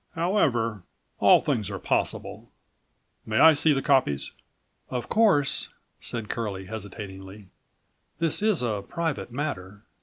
"However, all things are possible. May I see the copies?" "Of course," said Curlie, hesitatingly, "this is a private matter.